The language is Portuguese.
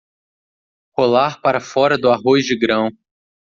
Rolar para fora do arroz de grão